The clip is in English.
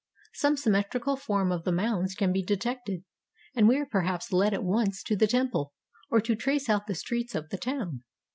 Some symmetrical form of the mounds can be detected, and we are perhaps led at once to the temple, or to trace out the streets of the town.